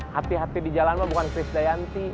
hati hati di jalan lo bukan chris dayanti